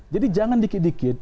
jadi jangan dikit dikit